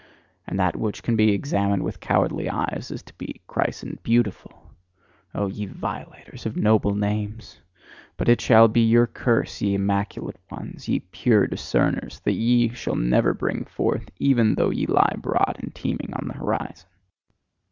And that which can be examined with cowardly eyes is to be christened "beautiful!" Oh, ye violators of noble names! But it shall be your curse, ye immaculate ones, ye pure discerners, that ye shall never bring forth, even though ye lie broad and teeming on the horizon!